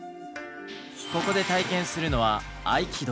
ここで体験するのは合気道。